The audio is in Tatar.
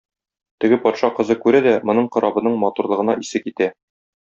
Теге патша кызы күрә дә, моның корабының матурлыгына исе китә.